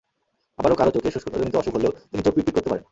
আবার কারও চোখে শুষ্কতাজনিত অসুখ হলেও তিনি চোখ পিটপিট করতে পারেন।